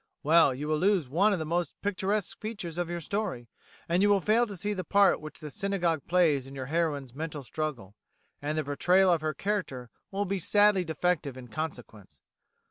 Well, you will lose one of the most picturesque features of your story; you will fail to see the part which the synagogue plays in your heroine's mental struggle, and the portrayal of her character will be sadly defective in consequence.